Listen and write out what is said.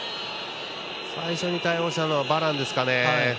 最初に対応したのはバランですかね。